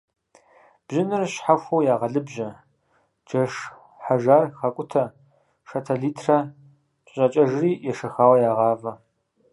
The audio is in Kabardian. Бжьыныр щхьэхуэу ягъэлыбжьэ, джэш хьэжар хакӀутэ, шатэ литрэ кӀэщӀакӀэжри ешэхауэ ягъавэ.